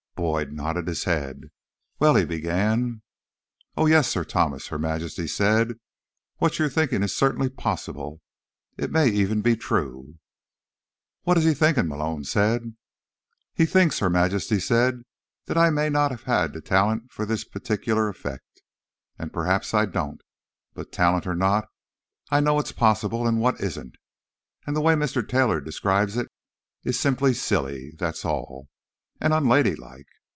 Boyd nodded his head. "Well—" he began. "Oh, yes, Sir Thomas," Her Majesty said. "What you're thinking is certainly possible. It may even be true." "What is he thinking?" Malone said. "He thinks," Her Majesty said, "that I may not have the talent for this particular effect—and perhaps I don't. But, talent or not, I know what's possible and what isn't. And the way Mr. Taylor describes it is simply silly, that's all. And unladylike.